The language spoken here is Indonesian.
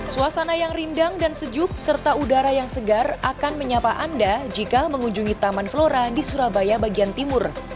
suasana yang rindang dan sejuk serta udara yang segar akan menyapa anda jika mengunjungi taman flora di surabaya bagian timur